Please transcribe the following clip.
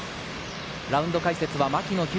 ラウンド解説は牧野裕